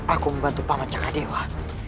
aku membantu paman cakra dewa